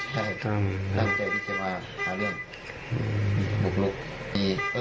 ใช่กลางทุยจะมาหางาน